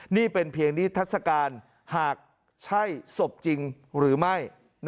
นี่เป็นเพียงนิทัศกาลหากใช่ศพจริงหรือไม่